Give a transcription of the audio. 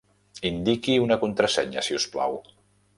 Indiqui una contrasenya, si us plau.